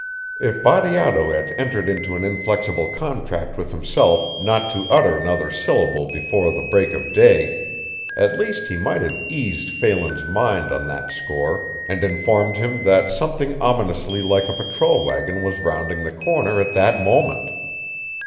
If Bateato had entered into an inflexible contract with himself not to utter another syllable before the break of day at least he might have eased Phelan's mind on that score and informed him that something ominously like a patrol wagon was rounding the corner at that moment.